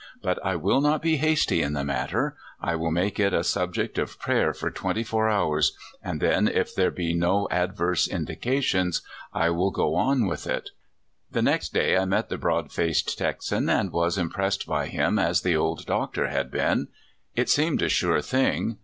But I will not be hasty in the inat 11 (161) 162 CALIFORNIA SKETCHES. ter. I will make it a subject of prayer for twen ty four hours, and then if there be no adverse in dications I will go on with it." The next day I met the broad faced Texan, and was impressed by him as the old Doctor had been. It seemed a sure thing.